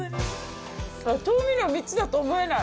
調味料３つだと思えない。